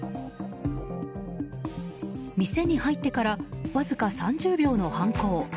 店に入ってからわずか３０秒の犯行。